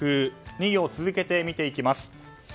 ２行続けて見ていきます。